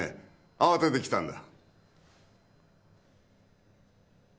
慌てて来たんだ。